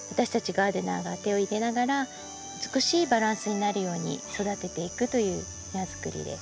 ガーデナーが手を入れながら美しいバランスになるように育てていくという庭づくりです。